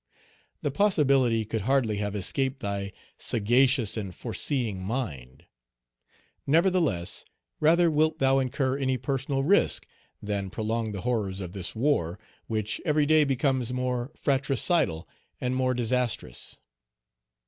The possibility could hardly have escaped thy sagacious and foreseeing mind. Nevertheless, rather wilt thou incur any personal risk than prolong the horrors of this war, which every day becomes more fratricidal and more disastrous!